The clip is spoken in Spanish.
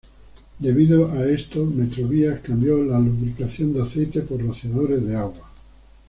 Debido a esto Metrovías cambió la lubricación de aceite por rociadores de agua.